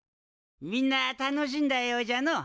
みんな楽しんだようじゃのう。